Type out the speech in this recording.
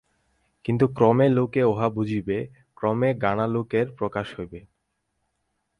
কিন্তু ক্রমে লোকে উহা বুঝিবে, ক্রমে জ্ঞানালোকের প্রকাশ হইবে।